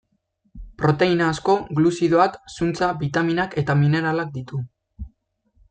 Proteina asko, gluzidoak, zuntza, bitaminak eta mineralak ditu.